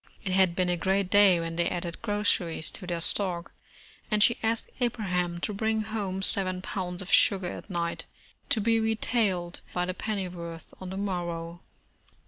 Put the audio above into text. It had been a great day when they added groceries to their stock, and she asked Abraham to bring home seven pounds of sugar at night, to be retailed by the pennyworth on the mor row.